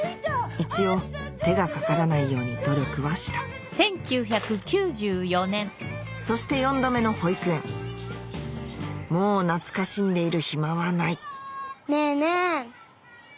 一応手がかからないように努力はしたそして４度目の保育園もう懐かしんでいる暇はないねぇねぇ。